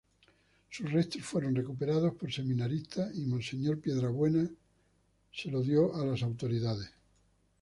Sus restos fueron recuperados por seminaristas y monseñor Piedrabuena los dio a las autoridades.